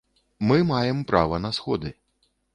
Мы маем права на сходы.